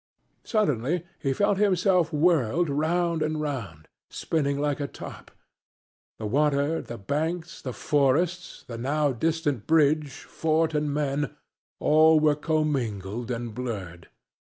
Suddenly he felt himself whirled round and round spinning like a top. The water, the banks, the forests, the now distant bridge, fort and men all were commingled and blurred.